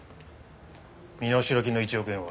身代金の１億円は？